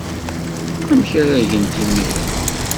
Amek ara gent imir-a?